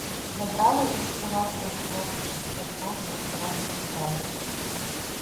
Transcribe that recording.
Забрали із села трьох хлопців, ще двох за селом застрелили.